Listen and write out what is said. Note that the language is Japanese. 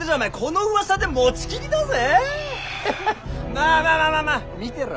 まあまあまあまあまあ見てろ。